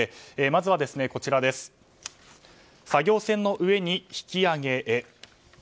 まずは、作業船の上に引き揚げへ。